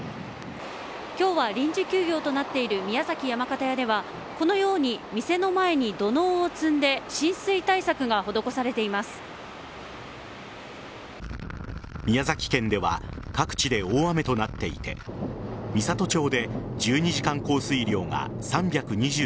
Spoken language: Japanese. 今日は臨時休業となっている宮崎山形屋ではこのように店の前に土のうを積んで宮崎県では各地で大雨となっていて美郷町で１２時間降水量が３２５ｍｍ